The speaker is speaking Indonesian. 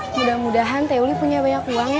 mudah mudahan tehuli punya banyak uang ya